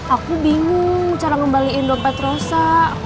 aku bingung cara ngembaliin dompet rosa